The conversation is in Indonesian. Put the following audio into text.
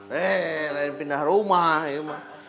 heee lain pindah rumah yuk mah